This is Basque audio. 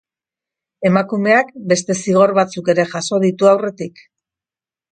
Emakumeak beste zigor batzuk ere jaso ditu aurretik.